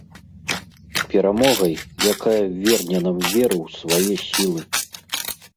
Перамогай, якая верне нам веру ў свае сілы.